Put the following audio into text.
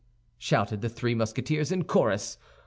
shouted the three Musketeers in chorus.